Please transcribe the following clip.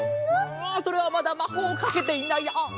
ああそれはまだまほうをかけていないあっあっ。